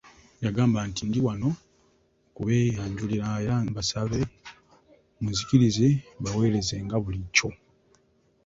Yagambye nti, “Ndi wano okubeeyanjulira era mbasabe munzikirize mbaweereze nga bulijjo."